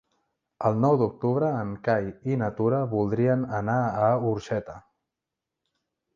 El nou d'octubre en Cai i na Tura voldrien anar a Orxeta.